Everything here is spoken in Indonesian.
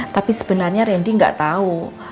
tapi sebenarnya randy enggak tahu